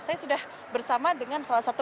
saya sudah bersama dengan salah satu